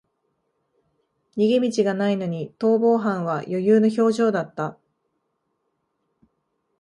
逃げ道がないのに逃走犯は余裕の表情だった